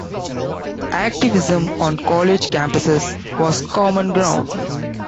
Activism on college campuses was common ground.